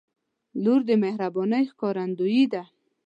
• لور د مهربانۍ ښکارندوی ده.